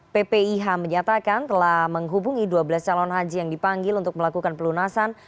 ppih menyatakan telah menghubungi dua belas calon haji yang dipanggil untuk melakukan pelunasan